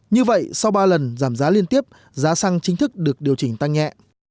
như vậy sau ba lần giảm giá liên tiếp giá xăng chính thức được điều chỉnh tăng nhẹ